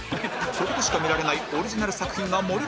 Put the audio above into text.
ここでしか見られないオリジナル作品が盛りだくさん